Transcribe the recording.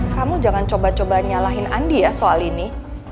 kamu jangan coba coba nyalahin andi ya soal ini